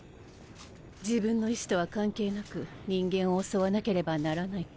自分の意思とは関係なく人間を襲わなければならない。